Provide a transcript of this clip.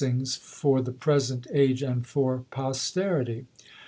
'"" ings, for the present age and for posterity."